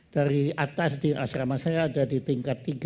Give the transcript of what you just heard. dari atas di asrama saya ada di tingkat tiga